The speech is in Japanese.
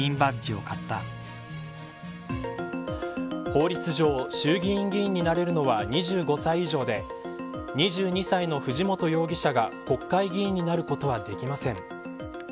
法律上衆議院議員になれるのは２５歳以上で２２歳の藤本容疑者が国会議員になることはできません。